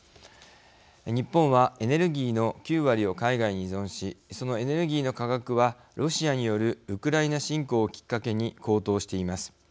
日本はエネルギーの９割を海外に依存しそのエネルギーの価格はロシアによるウクライナ侵攻をきっかけに高騰しています。